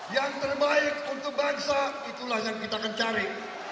yang terbaik untuk bangsa itulah yang kita akan cari